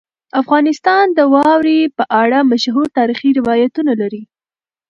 افغانستان د واورې په اړه مشهور تاریخي روایتونه لري.